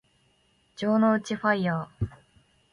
城之内ファイアー